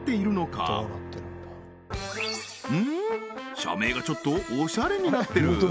社名がちょっとオシャレになってる！